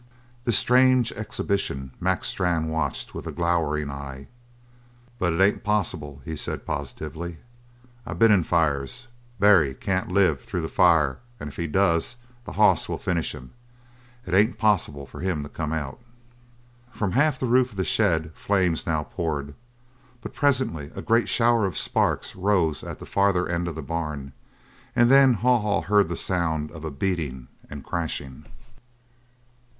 This strange exhibition Mac Strann watched with a glowering eye. "But it ain't possible," he said positively. "I been in fires. Barry can't live through the fire; an' if he does, the hoss will finish him. It ain't possible for him to come out!" From half the roof of the shed flames now poured, but presently a great shower of sparks rose at the farther end of the barn, and then Haw Haw heard the sound of a beating and crashing.